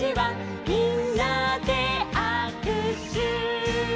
「みんなであくしゅ」